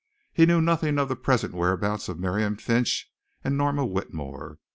He knew nothing of the present whereabouts of Miriam Finch and Norma Whitmore.